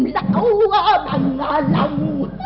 lão bằng lòng